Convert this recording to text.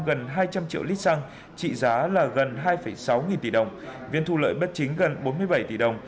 gần hai trăm linh triệu lít xăng trị giá là gần hai sáu nghìn tỷ đồng viên thu lợi bất chính gần bốn mươi bảy tỷ đồng